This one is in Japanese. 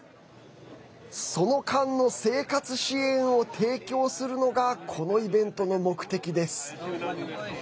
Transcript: その間の生活支援を提供するのがこのイベントの目的です。